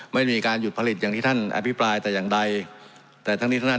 ไม่มีการหยุดผลิตอย่างที่ท่านอภิปรายแต่อย่างใดแต่ทั้งนี้ทั้งนั้น